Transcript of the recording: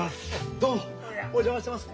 どうもお邪魔してます。